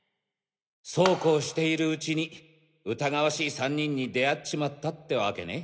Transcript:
そうこうしている内に疑わしい３人に出会っちまったってワケね。